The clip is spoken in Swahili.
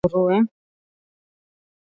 Kuna samadi za nguruwe